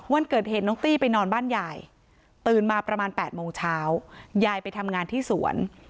วันเกิดเหตุน้องตี้ไปนอนบ้านยายตื่นมาประมาณ๘โมงเช้ายายไปทำงานที่สวน